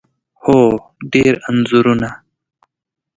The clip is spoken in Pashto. هو، ډیر انځورونه